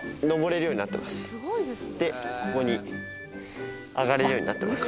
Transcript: でここに上がれるようになってます。